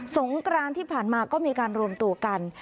งกรานที่ผ่านมาก็มีการรวมตัวกัน